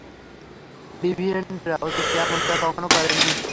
ডিভিয়েন্টরা অতীতে এমন কাজ কখনও করেনি।